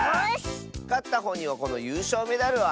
かったほうにはこのゆうしょうメダルをあげるよ！